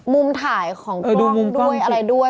มุมถ่ายของกล้องด้วยอะไรด้วย